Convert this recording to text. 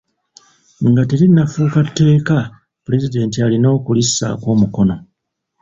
Nga terinnafuuka tteeka, pulezidenti alina okulissaako omukono.